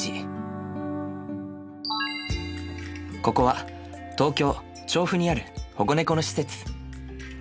ここは東京・調布にある保護猫の施設。